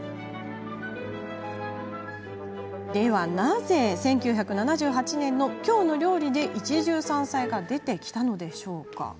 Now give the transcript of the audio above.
では、なぜ１９７８年の「きょうの料理」で一汁三菜が出てきたのか。